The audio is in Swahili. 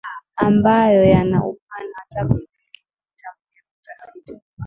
ambayo yana upana wa takriban kilomita moja nukta sita